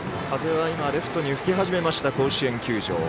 風はレフトに吹き始めました甲子園球場。